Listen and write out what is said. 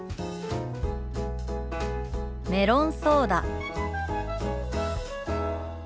「メロンソーダ」。